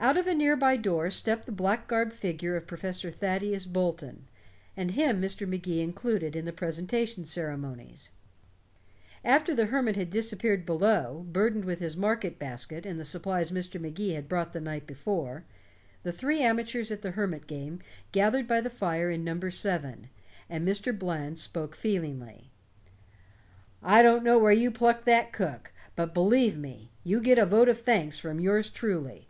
Out of a near by door stepped the black garbed figure of Professor Thaddeus Bolton, and him Mr. Magee included in the presentation ceremonies. After the hermit had disappeared below, burdened with his market basket and the supplies Mr. Magee had brought the night before, the three amateurs at the hermit game gathered by the fire in number seven, and Mr. Bland spoke feelingly: "I don't know where you plucked that cook, but believe me, you get a vote of thanks from yours truly.